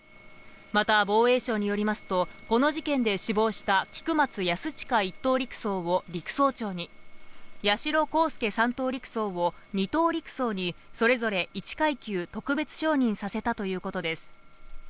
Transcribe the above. また防衛省によりますと、この事件で死亡した菊松安親１等陸曹を陸曹長に、八代航佑３等陸曹を２等陸曹に、それぞれ１階級特別昇任させたということです。